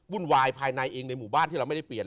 ุ่นวายภายในเองในหมู่บ้านที่เราไม่ได้เปลี่ยน